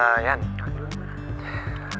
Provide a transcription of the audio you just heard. aduh mana dia